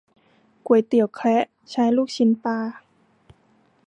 ก๋วยเตี๋ยวแคะ ใช้ลูกชิ้นปลา